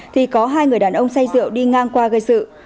thì có hai người đàn ông say rượu đi ngang qua gây sự